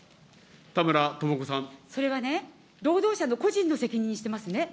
それはね、労働者の個人の責任にしてますね。